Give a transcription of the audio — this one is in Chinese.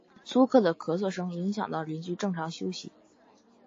租客的咳嗽声影响到邻居正常休息